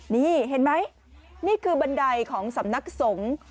นี่เห็นไหมนี่คือบันไดของสำนักสงฆ์